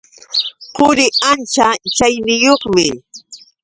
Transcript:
Quri ancha chaniyuqmi.